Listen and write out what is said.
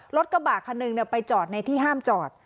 รถกระบะคันหนึ่งไปจอดในที่ห้ามจอด